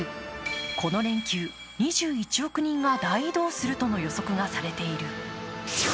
この連休、２１億人が大移動するとの予測がされている。